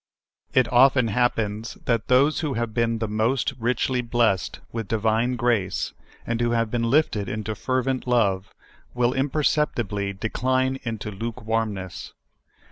It often happens that those who have been the most richh^ blessed with divine grace, and who have been lifted into fervent love, will imperceptibly decline into lukewarmness.